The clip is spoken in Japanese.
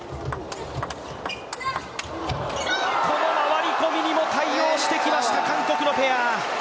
この回り込みにも対応してきました韓国のペア。